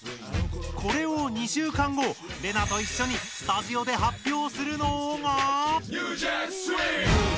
これを２週間後レナといっしょにスタジオで発表するのが。